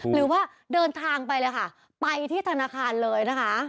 หรือว่าเดินทางไปเลยค่ะไปที่ธนาคารเลยนะคะ